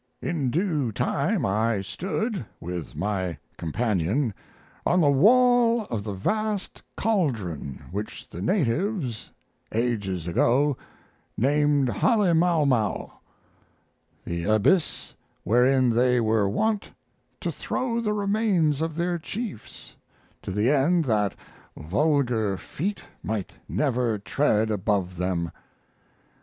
In due time I stood, with my companion, on the wall of the vast caldron which the natives, ages ago, named 'Hale mau mau' the abyss wherein they were wont to throw the remains of their chiefs, to the end that vulgar feet might never tread above them.